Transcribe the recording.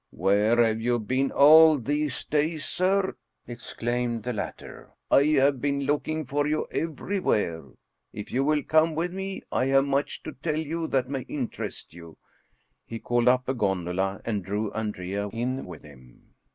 " Where have you been all these days, sir? " exclaimed the latter. " I have been looking for you everywhere. If you will come with me I have much to tell you that may interest you." He called up a gondola and drew Andrea in with him.